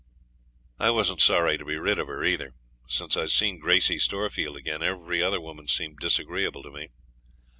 I wasn't sorry to be rid of her either. Since I'd seen Gracey Storefield again every other woman seemed disagreeable to me.